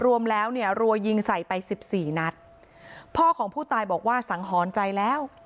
รวมแล้วเนี่ยรัวยิงใส่ไปสิบสี่นัดพ่อของผู้ตายบอกว่าสังหรณ์ใจแล้ว